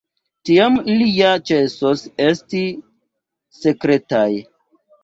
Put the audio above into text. Tiam ili ja ĉesos esti sekretaj.